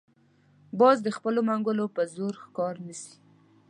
باز د خپلو منګولو په زور ښکار نیسي